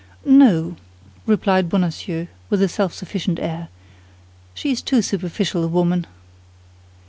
"No," replied Bonacieux, with a self sufficient air, "she is too superficial a woman."